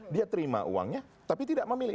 dia terima uangnya tapi tidak memilih